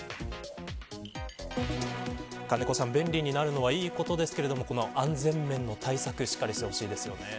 金子さん、便利になるのはいいことですが安全面の対策しっかりしてほしいですね。